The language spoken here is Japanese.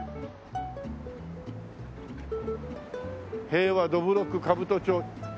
「平和どぶろく兜町」。